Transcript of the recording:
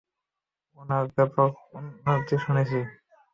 উনার ব্যাপারে অনেক শুনেছি।